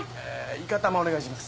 イカ玉お願いします。